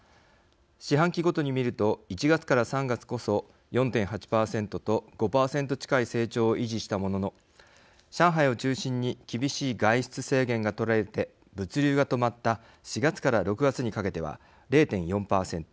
四半期ごとに見ると１月から３月こそ４．８％と５％近い成長を維持したものの上海を中心に厳しい外出制限が取られて物流が止まった４月から６月にかけては０．４％。